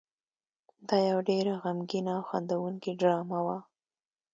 دا یو ډېره غمګینه او خندوونکې ډرامه وه.